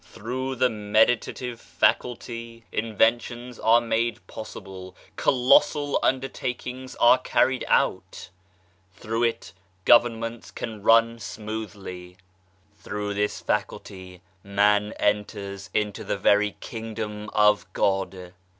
Through the meditative faculty inventions are made possible, colossal undertakings are carried out ; through it governments can run smoothly. 164 PRAYER Through this faculty man enters into the very Kingdom of God.